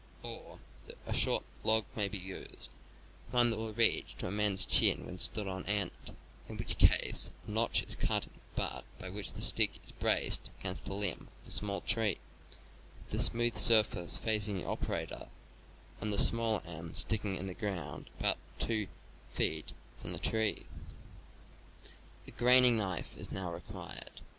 Or, a short log may be used — one that will reach to a man's chin when stood on end; in which case a notch is cut in the butt by which the stick is braced against the limb of a small tree, with smoothe surface facing the operator, and the small end sticking in the ground about two feet from the tree. A graining knife is now required.